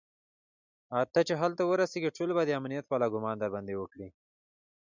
ته چې هلته ورسېږي ټول به د امنيت والا ګومان درباندې وکړي.